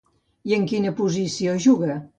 I en quina posició juga?